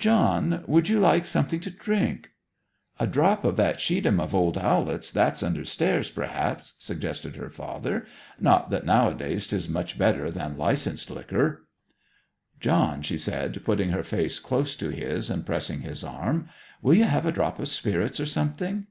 John, would you like something to drink?' 'A drop o' that Schiedam of old Owlett's, that's under stairs, perhaps,' suggested her father. 'Not that nowadays 'tis much better than licensed liquor.' 'John,' she said, putting her face close to his and pressing his arm. 'Will you have a drop of spirits or something?'